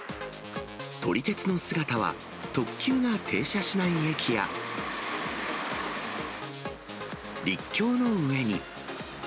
撮り鉄の姿は、特急が停車しない駅や、陸橋の上に。